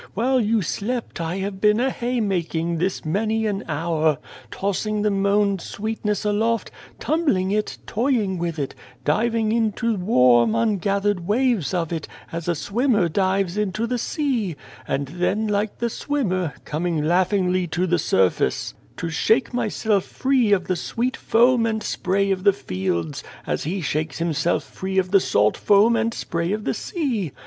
' While you slept, I have been a hay making this many an hour, tossing the mown sweetness 277 A World aloft, tumbling it, toying with it, diving into warm, ungathered waves of it, as a swimmer dives into the sea ; and then, like the swimmer, coming laughingly to the surface to shake myself free of the sweet foam and spray of the fields, as he shakes himself free of the salt foam and spray of the sea.'